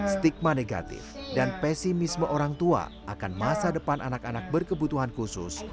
stigma negatif dan pesimisme orang tua akan masa depan anak anak berkebutuhan khusus